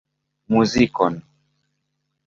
Muzikon.